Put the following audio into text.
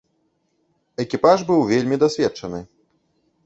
Экіпаж быў вельмі дасведчаны.